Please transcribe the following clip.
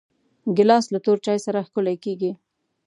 ګیلاس له تور چای سره ښکلی کېږي.